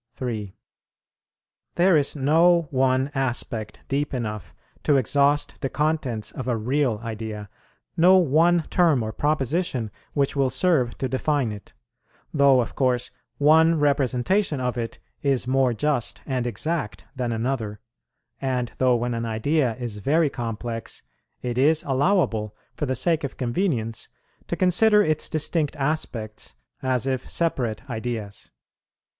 3. There is no one aspect deep enough to exhaust the contents of a real idea, no one term or proposition which will serve to define it; though of course one representation of it is more just and exact than another, and though when an idea is very complex, it is allowable, for the sake of convenience, to consider its distinct aspects as if separate ideas.